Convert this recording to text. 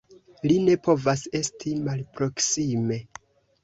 Li ne povas esti malproksime!